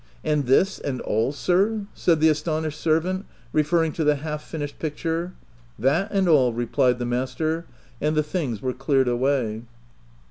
" And this and all, sir V 9 said the astonished servant referring to the half finished picture. " That and all," replied the master ; and the things were cleared away.